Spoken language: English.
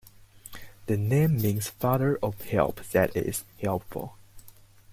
The name means "father of help" that is, helpful.